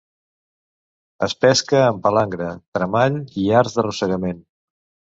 Es pesca amb palangre, tremall i arts d'arrossegament.